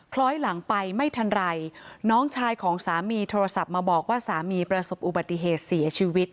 คล้อยหลังไปไม่ทันไรน้องชายของสามีโทรศัพท์มาบอกว่าสามีประสบอุบัติเหตุเสียชีวิต